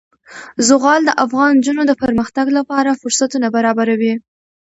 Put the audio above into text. زغال د افغان نجونو د پرمختګ لپاره فرصتونه برابروي.